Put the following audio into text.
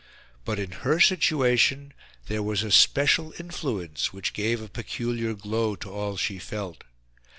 But, in her situation, there was a special influence which gave a peculiar glow to all she felt.